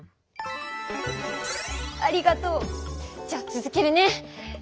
ありがとう。じゃあつづけるね。